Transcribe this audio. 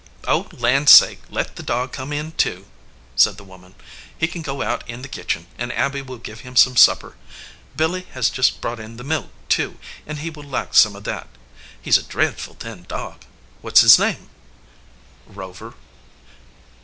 "Oh, land sake! let the dog come in, too," said the woman. "He can go out in the kitchen, and Abby will give him some supper. Billy has just brought in the milk, too, and he will like some of that. He s a dreadful thin dog. What s his name?" "Rover."